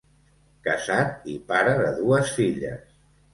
Casat i pare de dues filles.